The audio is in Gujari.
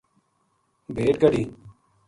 بھیڈ کڈھی۔